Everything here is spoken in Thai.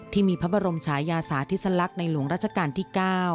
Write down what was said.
ที่มีพระบรมฉายาศาสตร์ที่สลักในหลวงราชการที่๙